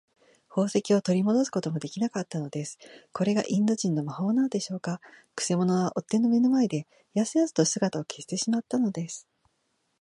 宝石をとりもどすこともできなかったのです。これがインド人の魔法なのでしょうか。くせ者は追っ手の目の前で、やすやすと姿を消してしまったのです。